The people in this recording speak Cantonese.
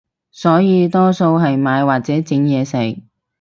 所以多數係買或者整嘢食